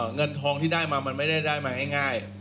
เงินทองที่ได้มามันไม่ได้มาง่าย